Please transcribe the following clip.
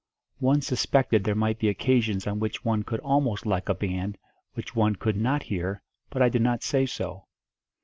One suspected there might be occasions on which one could almost like a band which one could not hear, but I did not say so.